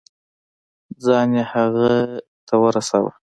ځان يې هغه ته ورساوه.